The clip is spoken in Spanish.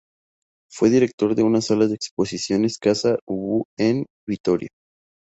Fue director de la sala de exposiciones Casa Ubu en Vitoria.